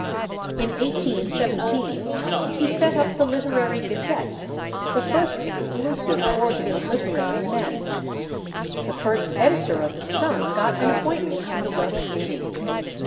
In 1817 he set up the Literary Gazette, the first exclusive organ of literary men. The first editor of the Sun got an appointment in the West Indies.